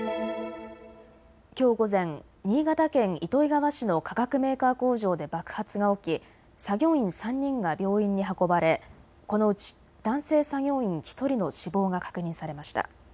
きょう午前、新潟県糸魚川市の化学メーカー工場で爆発が起き作業員３人が病院に運ばれこのうち男性作業員１人の死亡が確認されました。